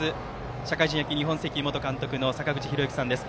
社会人野球、日本石油元監督の坂口裕之さんです。